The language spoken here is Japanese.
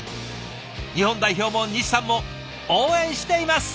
日本代表も西さんも応援しています！